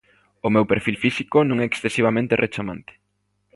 O meu perfil físico non é excesivamente rechamante.